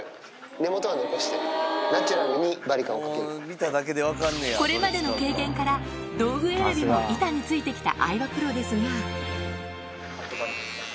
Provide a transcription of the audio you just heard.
根元は残して、これまでの経験から、道具選びも板についてきた相葉プロですが。